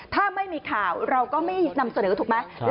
ถ้าไม่มีข่าวเราก็ไม่นำเสนอถูกไหม